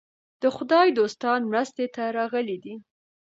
د خدای دوستان مرستې ته راغلي دي.